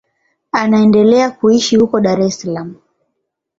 Anaendelea kuishi huko Dar es Salaam.